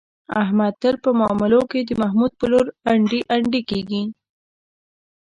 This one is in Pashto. احمد تل په معاملو کې، د محمود په لور انډي انډي کېږي.